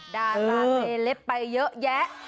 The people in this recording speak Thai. ดาราเซเล็บไปเยอะแยะ